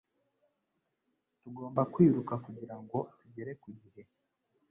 Tugomba kwiruka kugirango tugere ku gihe. .